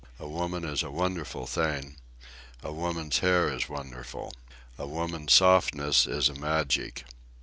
A woman is a wonderful thing. A woman's hair is wonderful. A woman's softness is a magic.